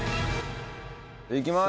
いきます。